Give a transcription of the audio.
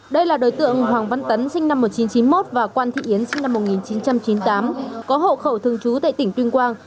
đây là đối tượng hoàng văn tấn sinh năm một nghìn chín trăm chín mươi một và quan thị yến sinh năm một nghìn chín trăm chín mươi tám có hộ khẩu thường trú tại tỉnh tuyên quang